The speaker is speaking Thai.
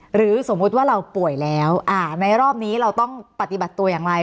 สมมุติว่าเราป่วยแล้วในรอบนี้เราต้องปฏิบัติตัวอย่างไร